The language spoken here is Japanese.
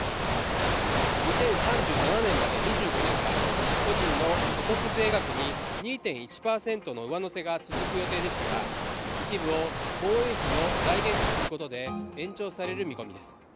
２０３７年まで２５年間、個人の所得税額に２．１％の上乗せが続く予定でしたが一部を防衛費の財源とすることで延長される見込みです。